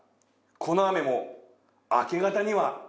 「この雨も明け方には」